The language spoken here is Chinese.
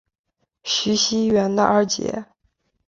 徐熙媛的二姐。